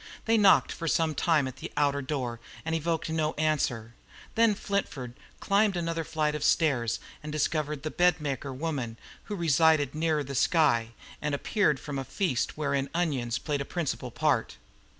They knocked for some time at the outer door and evoked no answer; then Flintford climbed another flight of stairs and discovered the bedmaker woman, who resided nearer the sky, and appeared from a feast wherein onions had played a principal part.